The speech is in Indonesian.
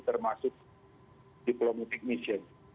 termasuk diplomatiek malaysia